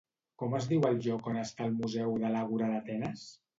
Com es diu el lloc on està el museu de l'Àgora d'Atenes?